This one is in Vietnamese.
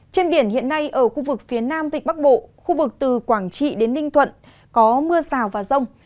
trên biển hiện nay ở khu vực phía nam vịnh bắc bộ khu vực từ quảng trị đến ninh thuận có mưa rào và rông